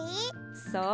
そう。